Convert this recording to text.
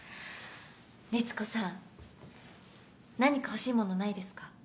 リツコさん何か欲しいものないですか？